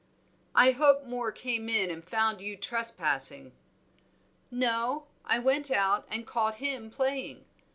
"I hope Moor came in and found you trespassing." "No, I went out and caught him playing.